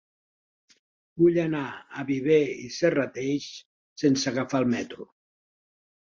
Vull anar a Viver i Serrateix sense agafar el metro.